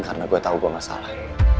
karena gua tau gua gak salah